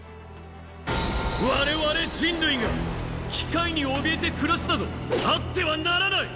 我々人類が機械におびえて暮らすなどあってはならない！